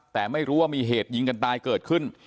แต่ไม่รู้ว่ามีเหตุยิงกันตายเกิดขึ้น